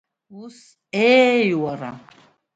Ус, Еи, уара!